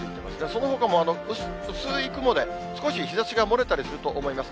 そのほかも薄い雲で、少し日ざしが漏れたりすると思います。